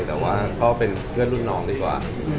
แต่ว่าก็เป็นเพื่อนรุ่นน้องดีกว่า